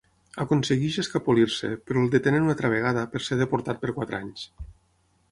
Aconsegueix escapolir-se, però el detenen una altra vegada per ser deportat per quatre anys.